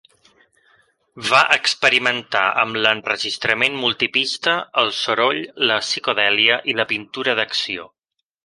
Va experimentar amb l'enregistrament multipista, el soroll, la psicodèlia i la pintura d'acció.